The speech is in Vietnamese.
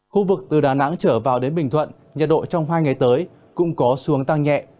khu vực từ đà nẵng trở vào đến bình thuận nhiệt độ trong hai ngày tới cũng có xuống tăng nhẹ